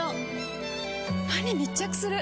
歯に密着する！